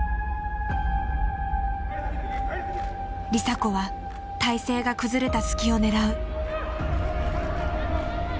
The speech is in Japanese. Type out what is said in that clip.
梨紗子は体勢が崩れた隙を狙う。